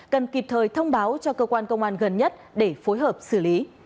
cần kịp thời thông báo cho cơ quan công an gần nhất để phối hợp xử lý